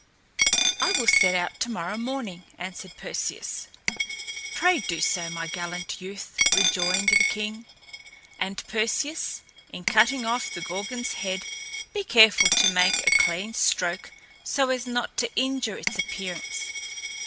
"I will set out tomorrow morning," answered Perseus. "Pray do so, my gallant youth," rejoined the king. "And, Perseus, in cutting off the Gorgon's head, be careful to make a clean stroke, so as not to injure its appearance.